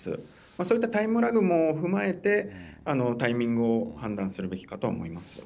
そういったタイムラグも踏まえて、タイミングを判断するべきかと思います。